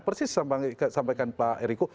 persis sampaikan pak ericko